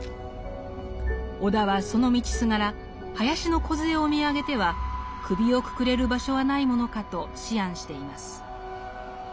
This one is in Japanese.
尾田はその道すがら林の梢を見上げては首をくくれる場所はないものかと思案しています。